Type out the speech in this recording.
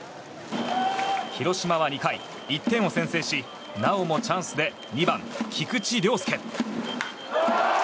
広島は２回、１点を先制しなおもチャンスで２番、菊池涼介。